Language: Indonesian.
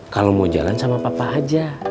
kalau mau jalan sama papa aja